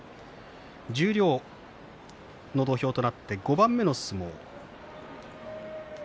十両の土俵となって５番目の相撲です。